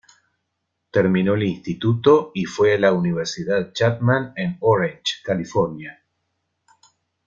Terminó el instituto y fue a la Universidad Chapman en Orange, California.